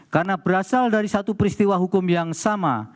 karena berasal dari satu peristiwa hukum yang sama